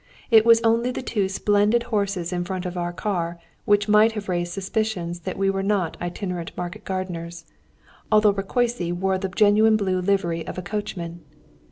It was only the two splendid horses in front of our car which might have raised suspicions that we were not itinerant market gardeners, although Rákóczy wore the genuine blue livery of a coachman.